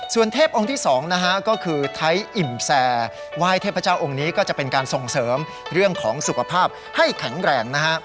ส่วนเทพองค์ที่๒นะฮะก็คือไทยอิ่มแซไหว้เทพเจ้าองค์นี้ก็จะเป็นการส่งเสริมเรื่องของสุขภาพให้แข็งแรงนะฮะ